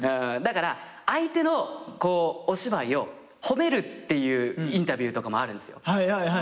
だから相手のお芝居を褒めるっていうインタビューとかもあるんですよ。